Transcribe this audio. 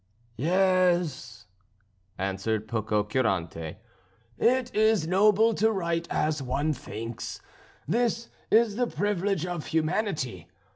"Yes," answered Pococurante, "it is noble to write as one thinks; this is the privilege of humanity.